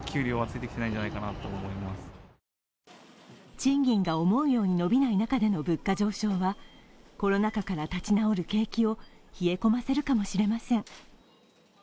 賃金が思うように伸びない中での物価上昇はコロナ禍から立ち直る景気を冷え込ませるかもしれません。